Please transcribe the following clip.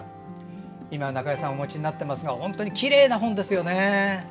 今、中江さんがお持ちになっていますが本当にきれいな本ですよね。